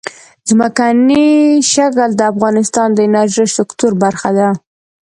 ځمکنی شکل د افغانستان د انرژۍ سکتور برخه ده.